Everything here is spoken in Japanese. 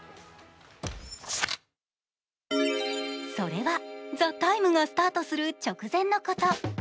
それは、「ＴＨＥＴＩＭＥ，」がスタートする直前のこと。